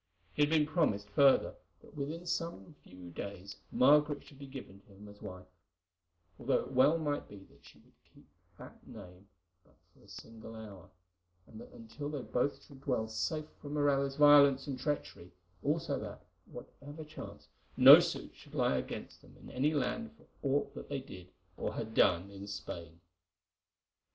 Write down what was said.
He had been promised, further, that within some few days Margaret should be given to him as wife, although it well might be that she would keep that name but for a single hour, and that until then they both should dwell safe from Morella's violence and treachery; also that, whatever chanced, no suit should lie against them in any land for aught that they did or had done in Spain.